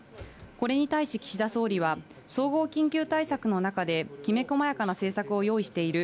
これに対し岸田総理は、総合緊急対策の中できめ細やかな政策を用意している。